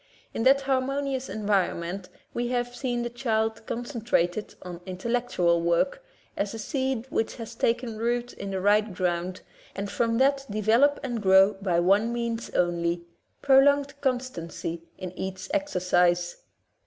In that harmonious environment we have seen the child concen trated on intellectual work, as a seed which has taken root in the right ground, and from that develop and grow by one means only — prolonged constancy in each exercise.